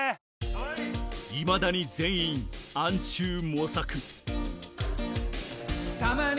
いまだに全員暗中模索